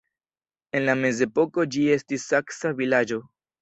En la mezepoko ĝi estis saksa vilaĝo.